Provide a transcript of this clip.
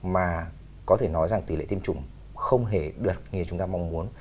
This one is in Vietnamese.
mà có thể nói rằng tỷ lệ tiêm chủng không hề được như chúng ta mong muốn